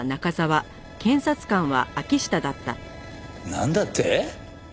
なんだって！？